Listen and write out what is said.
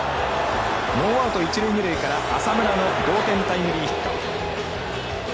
ノーアウト、一塁二塁から浅村の同点タイムリーヒット。